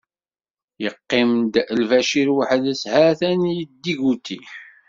Yeqqim-d Lbacir waḥd-s, ha-t-an yeddiguti.